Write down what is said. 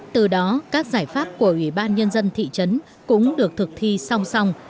từ đó các giải pháp của ủy ban nhân dân thị trấn cũng được thực thi song song